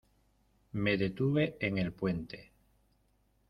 Me detuve en el puente.